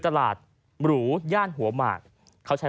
พร้อมกับหยิบมือถือขึ้นไปแอบถ่ายเลย